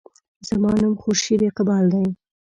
زما نوم خورشید اقبال دے.